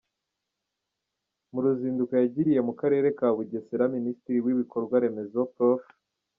Mu ruzinduko yagiriye mu karere ka Bugesera, Minisitiri w’ibikorwa Remezo, Prof.